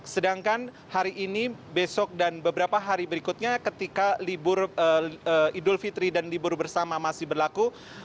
sedangkan hari ini besok dan beberapa hari berikutnya ketika idul fitri dan libur bersama masih berlaku